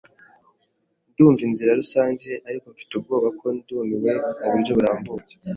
Ndumva inzira rusange, ariko mfite ubwoba ko ndumiwe muburyo burambuye.